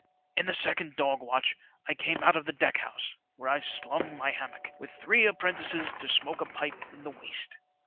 In the second dog watch I came out of the deck house, where I slung my hammock, with three appren tices, to smoke a pipe in the waist.